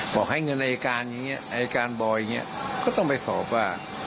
บอกให้เงินไอ้การบอยก็ต้องไปสอบว่า